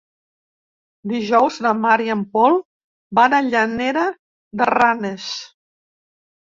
Dijous na Mar i en Pol van a Llanera de Ranes.